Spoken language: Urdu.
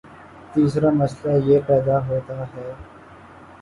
تیسرامسئلہ یہ پیدا ہوتا ہے